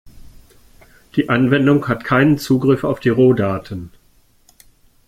Die Anwendung hat keinen Zugriff auf die Rohdaten.